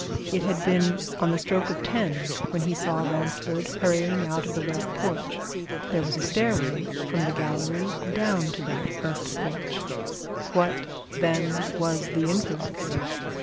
It had been on the stroke of ten when he saw Ransford hurrying out of the west porch. There was a stairway from the gallery down to that west porch. What, then, was the inference?